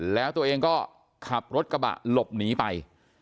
แล้วตัวเองก็ขับรถกระบะหลบหนีไป